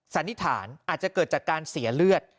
สันนิษฐานอาจจะเกิดจากการเสียเลือด